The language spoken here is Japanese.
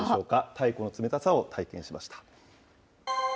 太古の冷たさを体験しました。